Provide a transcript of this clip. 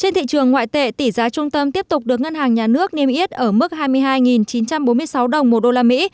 trên thị trường ngoại tệ tỷ giá trung tâm tiếp tục được ngân hàng nhà nước niêm yết ở mức hai mươi hai chín trăm bốn mươi sáu đồng một đô la mỹ